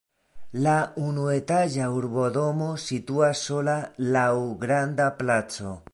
La unuetaĝa urbodomo situas sola laŭ granda placo.